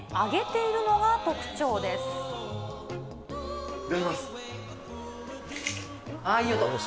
いただきます。